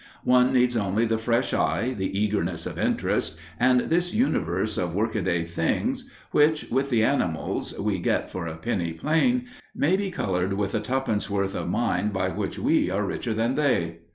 One needs only the fresh eye, the eagerness of interest, and this Universe of workaday things which, with the animals, we get "for a penny, plain," may be coloured with the twopence worth of mind by which we are richer than they.